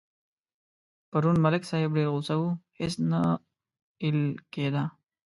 پرون ملک صاحب ډېر غوسه و هېڅ نه اېل کېدا.